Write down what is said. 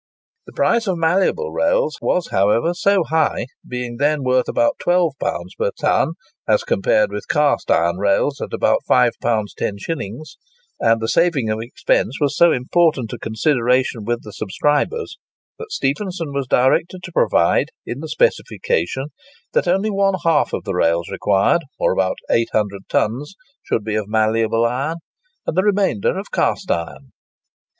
The price of malleable rails was, however, so high—being then worth about £12 per ton as compared with cast iron rails at about £5 10s.—and the saving of expense was so important a consideration with the subscribers, that Stephenson was directed to provide, in the specification, that only one half of the rails required—or about 800 tons—should be of malleable iron, and the remainder of cast iron.